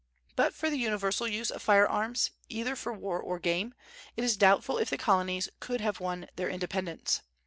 But for the universal use of fire arms, either for war or game, it is doubtful if the Colonies could have won their independence.